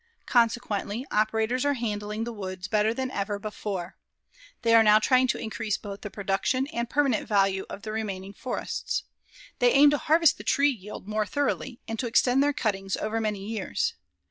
Consequently, operators are handling the woods better than ever before. They now are trying to increase both the production and permanent value of the remaining forests. They aim to harvest the tree yield more thoroughly and to extend their cuttings over many years.